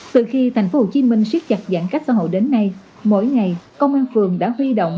từ khi thành phố hồ chí minh siết chặt giãn cách xã hội đến nay mỗi ngày công an phường đã huy động